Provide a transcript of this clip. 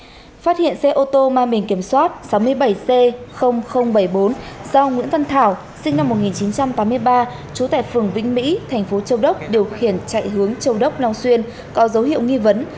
phát hiện xe ô tô mang mình kiểm soát sáu mươi bảy c bảy mươi bốn do nguyễn văn thảo sinh năm một nghìn chín trăm tám mươi ba trú tại phường vĩnh mỹ thành phố châu đốc điều khiển chạy hướng châu đốc long xuyên có dấu hiệu nghi vấn